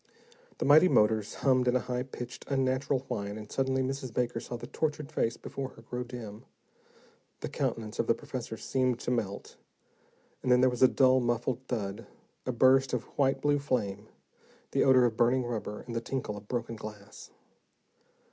The mighty motors hummed in a high pitched, unnatural whine, and suddenly Mrs. Baker saw the tortured face before her grow dim. The countenance of the professor seemed to melt, and then there came a dull, muffled thud, a burst of white blue flame, the odor of burning rubber and the tinkle of broken glass.